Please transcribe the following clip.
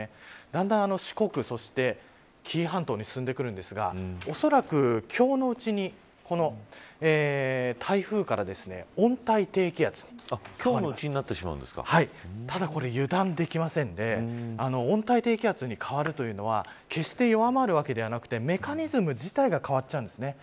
だんだん、四国そして紀伊半島に進んでくるんですが恐らく今日のうちに今日のうちにただこれ、油断できませんで温帯低気圧に変わるというのは決して弱まるわけではなくてメカニズム自体が変わっちゃうんです。